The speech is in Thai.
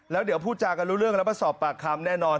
แล้วเดี๋ยวพูดจากันรู้เรื่องแล้วมาสอบปากคำแน่นอน